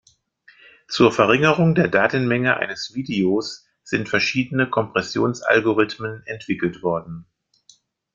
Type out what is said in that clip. Zur Verringerung der Datenmenge eines Videos sind verschiedene Kompressions-Algorithmen entwickelt worden.